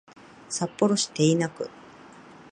札幌市手稲区